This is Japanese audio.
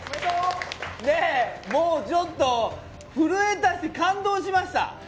もうちょっと、震えたし感動しました。